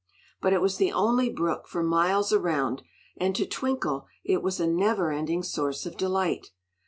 But it was the only brook for miles around, and to Twinkle it was a never ending source of delight.